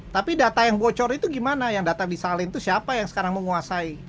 tapi data yang bocor itu gimana yang data disalin itu siapa yang sekarang menguasai